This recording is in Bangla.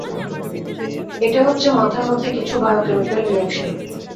এটা হচ্ছে মাথার মধ্যে কিছু বায়োকেমিক্যাল রিঅ্যাকশন।